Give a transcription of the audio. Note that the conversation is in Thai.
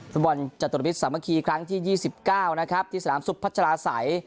ฟุตบอลจัตุรมิตรสามัคคีครั้งที่ยี่สิบเก้านะครับที่สลามสุพัชราไส